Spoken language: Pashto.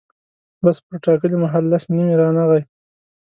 بس پر ټاکلي مهال لس نیمې رانغی.